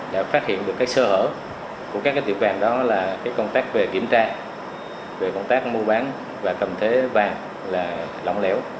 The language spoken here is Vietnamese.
đã phát hiện được sơ hở của các tiệm vàng đó là công tác về kiểm tra về công tác mua bán và cầm thế vàng là lỏng lẻo